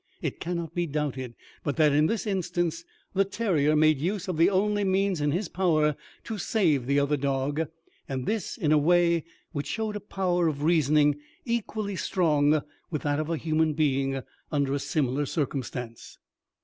It cannot be doubted, but that in this instance the terrier made use of the only means in his power to save the other dog, and this in a way which showed a power of reasoning equally strong with that of a human being, under a similar circumstance.